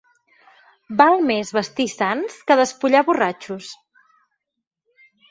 Val més vestir sants que despullar borratxos.